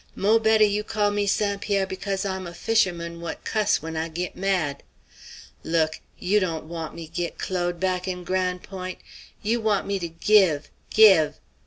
"Mo' better you call me St. Pierre because I'm a fisherman what cuss when I git mad. Look! You dawn't want me git Claude back in Gran' Point'. You want me to give, give.